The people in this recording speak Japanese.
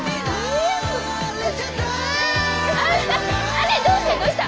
あれどうしたどうした？